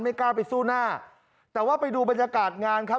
กล้าไปสู้หน้าแต่ว่าไปดูบรรยากาศงานครับ